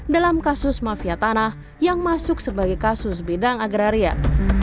dalam kasus mafia tanah yang masuk sebagai kasus bidang agrarian